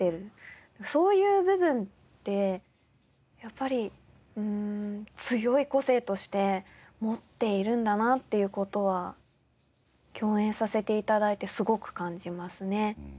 そういう部分ってやっぱり強い個性として持っているんだなっていう事は共演させて頂いてすごく感じますね。